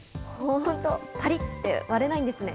本当、ぱりって割れないんですね。